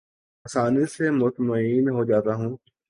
آسانی سے مطمئن ہو جاتا ہوں